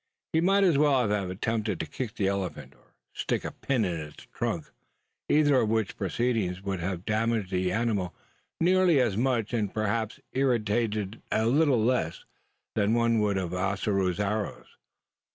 He might as well have attempted to kick the elephant, or stick a pin into its trunk; either of which proceedings would have damaged the animal nearly as much, and perhaps irritated it a little less, than would one of Ossaroo's arrows.